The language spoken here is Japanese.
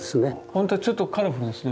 ほんとちょっとカラフルですね。